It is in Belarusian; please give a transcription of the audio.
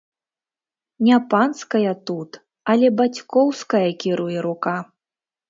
Не панская тут, але бацькоўская кіруе рука!